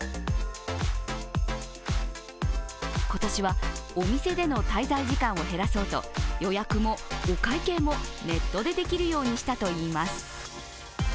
今年はお店での滞在時間を減らそうと予約もお会計もネットでできるようにしたといいます。